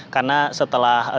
karena setelah tujuh belas tahun